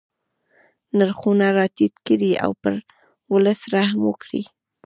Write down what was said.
نرخونه را ټیټ کړي او پر ولس رحم وکړي.